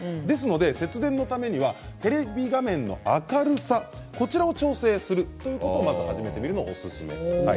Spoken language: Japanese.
節電のためにはテレビ画面の明るさを調整するということを始めてみるのをおすすめします。